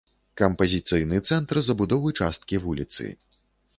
Кампазіцыйны цэнтр забудовы часткі вуліцы.